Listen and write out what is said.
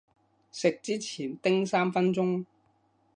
食之前叮三分鐘